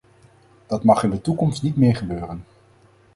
Dat mag in de toekomst niet meer gebeuren!